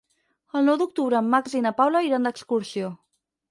El nou d'octubre en Max i na Paula iran d'excursió.